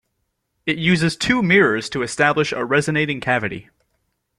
It uses two mirrors to establish a resonating cavity.